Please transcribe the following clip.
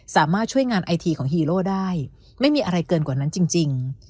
สามารถช่วยงานไอทีของฮีโร่ได้ไม่มีอะไรเกินกว่านั้นจริง